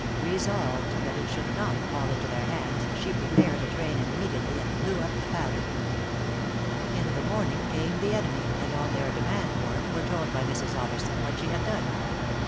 Resolved that it should not fall into their hands, she prepared a train immediately, and blew up the powder. In the morning came the enemy, and on their demand for it, were told by Mrs. Otterson what she had done.